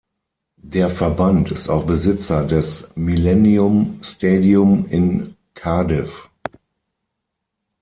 Der Verband ist auch Besitzer des Millennium Stadium in Cardiff.